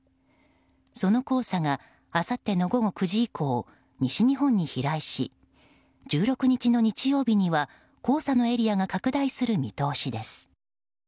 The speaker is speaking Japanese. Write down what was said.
その黄砂があさっての午後９時以降西日本に飛来し１６日の日曜日には黄砂のエリアが拡大する見通しです。